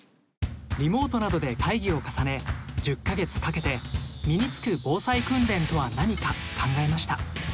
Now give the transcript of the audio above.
リモートなどで会議を重ね１０か月かけて身に付く防災訓練とは何か考えました。